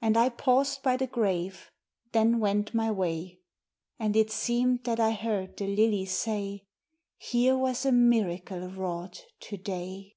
And I paused by the grave; then went my way: And it seemed that I heard the lily say "Here was a miracle wrought to day."